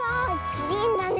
キリンだねえ。